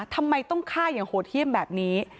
ทำไมต้องฆ่าอย่างโหดเยี่ยมแบบนี้